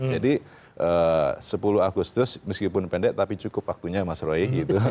jadi sepuluh agustus meskipun pendek tapi cukup waktunya mas roy